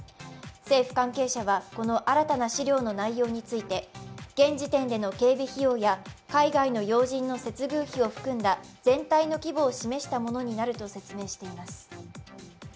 政府関係者はこの新たな資料の内容について現時点での警備費用や海外の要人の接遇費を含んだ全体の規模を示したものになると説明しています。